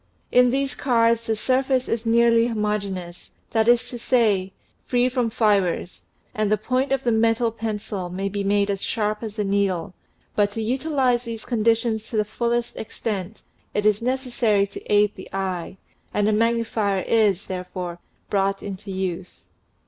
In these cards the surface is nearly homo geneous, that is to say, free from fibers, and the point of the metal pencil may be made as sharp as a needle, but to utilize these conditions to the fullest extent, it is necessary to aid the eye, and a magnifier is, therefore, brought into use.